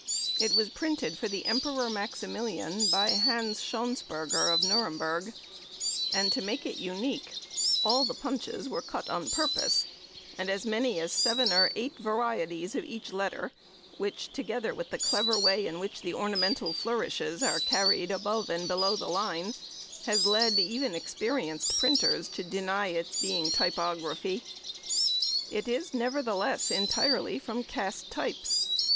It was printed for the Emperor Maximilian, by Hans Schonsperger, of Nuremberg, and, to make it unique, all the punches were cut on purpose, and as many as seven or eight varieties of each letter, which, together with the clever way in which the ornamental flourishes are carried above and below the line, has led even experienced printers to deny its being typography. It is, nevertheless, entirely from cast types.